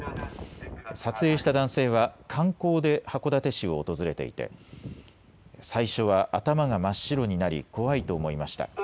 撮影した男性は、観光で函館市を訪れていて、最初は頭が真っ白になり、怖いと思いました。